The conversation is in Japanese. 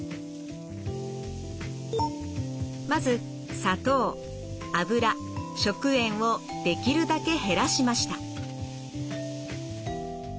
まず砂糖油食塩をできるだけ減らしました。